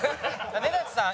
根建さん